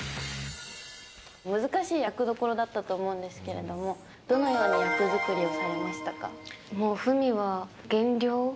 難しい役どころだったと思うんですけれども、どのような役作りをもう文は減量。